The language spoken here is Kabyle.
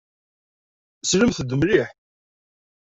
Slemt-d mliḥ.